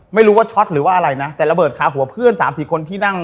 ไม่รู้ว่าช็อตหรือว่าอะไรนะแต่ระเบิดขาหัวเพื่อนสามสี่คนที่นั่ง